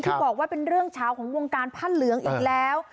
ที่บอกว่าเป็นเรื่องเช้าของวงการผ้าเหลืองอีกแล้ว